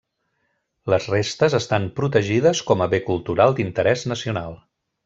Les restes estan protegides com a bé cultural d'interès nacional.